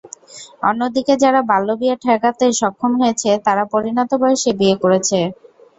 অন্যদিকে যারা বাল্যবিয়ে ঠেকাতে সক্ষম হয়েছে, তারা পরিণত বয়সে বিয়ে করেছে।